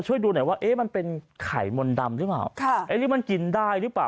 ช่วยดูหน่อยว่าเอ๊ะมันเป็นไข่มนต์ดำหรือเปล่าค่ะเอ๊ะหรือมันกินได้หรือเปล่า